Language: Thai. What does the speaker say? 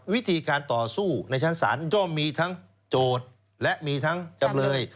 วิธีการต่อสู้ในชั้นศาลย่อมมีทั้งโจทย์และมีทั้งจำเลย